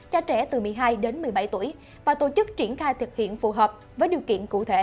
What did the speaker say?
cho trẻ từ một mươi hai đến một mươi bảy tuổi và tổ chức triển khai thực hiện phù hợp với điều kiện cụ thể